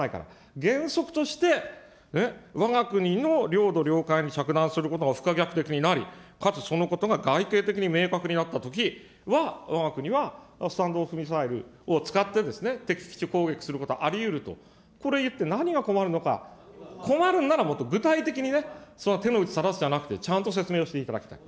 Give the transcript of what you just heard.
原則としてわが国の領土、領海に着弾することが不可逆的になり、かつそのことが外形的に明確になったときは、わが国はスタンド・オフ・ミサイルを使って敵基地攻撃することはありうると、これ言って、何が困るのか、困るんなら、もっと具体的にね、その手の内さらすじゃなくて、ちゃんと説明をしていただきたい。